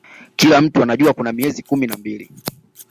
Kila mtu anajua kuna miezi kumi na mbili